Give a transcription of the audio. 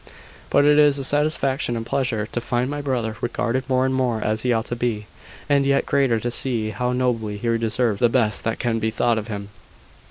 But it is a satisfaction and pleasure to find my brother regarded more and more as he ought to be: and yet greater to see how nobly he deserves the best that can be thought of him."